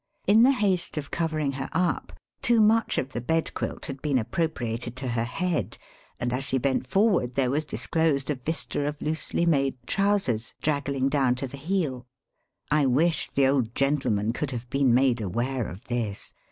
In the haste of covering her up, too much of the bed quilt had been appropriated to her head, and as she bent forward there was disclosed a vista of loosely made trousers draggling down to the heel. I wish the old gentleman could have been made aware of this.